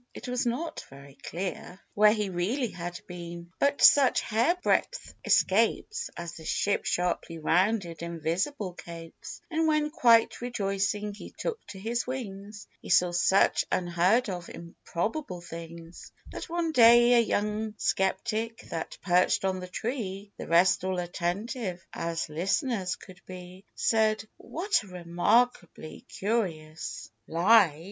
It was not very clear Where he really had been ; but such hair breadth escapes, As the ship sharply rounded invisible capes ; And when quite rejoicing, he took to his wings, He saw such unheard of, improbable things, That one day, a young skeptic, that perched on the tree, The rest all attentive, as list'ners could be, Said, " What a remarkably curious lie